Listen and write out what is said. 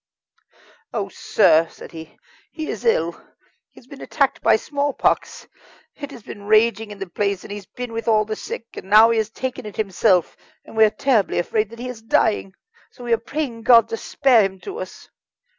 "Oh, sir!" said he, "he is ill, he has been attacked by smallpox. It has been raging in the place, and he has been with all the sick, and now he has taken it himself, and we are terribly afraid that he is dying. So we are praying God to spare him to us."